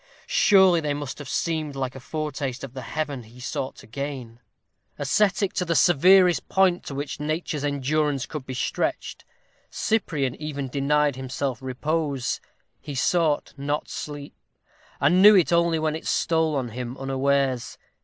Surely they must have seemed like a foretaste of the heaven he sought to gain! Ascetic to the severest point to which nature's endurance could be stretched, Cyprian even denied himself repose. He sought not sleep, and knew it only when it stole on him unawares.